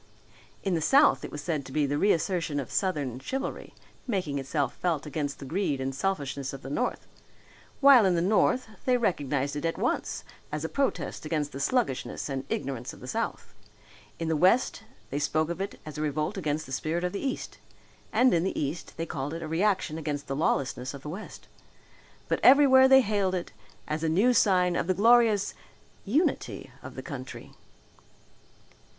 In the south it was said to be the reassertion of southern chivalry making itself felt against the greed and selfishness of the north, while in the north they recognized it at once as a protest against the sluggishness and ignorance of the south. In the west they spoke of it as a revolt against the spirit of the east and in the east they called it a reaction against the lawlessness of the west. But everywhere they hailed it as a new sign of the glorious unity of the country.